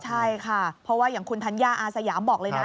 ใช่ค่ะเพราะว่าอย่างคุณธัญญาอาสยามบอกเลยนะ